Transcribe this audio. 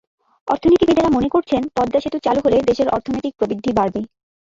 অর্থনীতিবিদেরা মনে করছেন, পদ্মা সেতু চালু হলে দেশের অর্থনৈতিক প্রবৃদ্ধি বাড়বে।